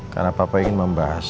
karena papa ingin membahas